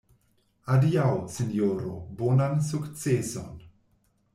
Adiaŭ, sinjoro, bonan sukceson.